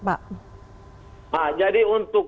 nah jadi untuk pemerintahnya